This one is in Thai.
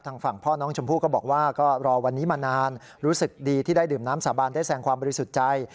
ฝั่งพ่อน้องชมพู่ก็บอกว่าก็รอวันนี้มานานรู้สึกดีที่ได้ดื่มน้ำสาบานได้แสงความบริสุทธิ์ใจ